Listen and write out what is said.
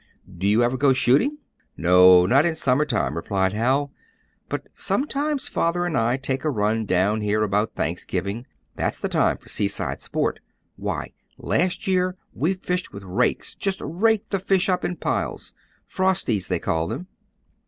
"Do you ever go shooting?" "No, not in summer time," replied Hal. "But sometimes father and I take a run down here about Thanksgiving. That's the time for seaside sport. Why, last year we fished with rakes; just raked the fish up in piles 'frosties,' they call them."